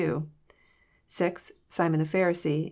6. Simon the Pharisee.